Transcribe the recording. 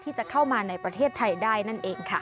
ที่จะเข้ามาในประเทศไทยได้นั่นเองค่ะ